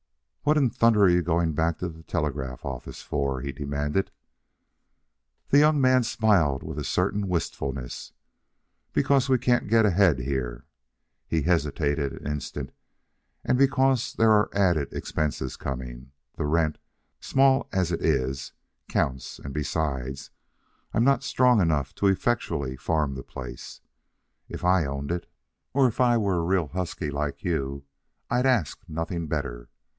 "What in thunder are you going back to the telegraph office for?" he demanded. The young man smiled with a certain wistfulness. "Because we can't get ahead here..." (he hesitated an instant), "and because there are added expenses coming. The rent, small as it is, counts; and besides, I'm not strong enough to effectually farm the place. If I owned it, or if I were a real husky like you, I'd ask nothing better.